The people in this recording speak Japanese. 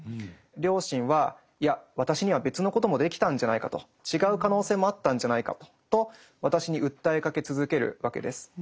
良心は「いや私には別のこともできたんじゃないか」と「違う可能性もあったんじゃないか」と私に訴えかけ続けるわけです。